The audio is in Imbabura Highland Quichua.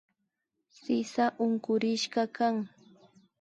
Sisa unkurishkakan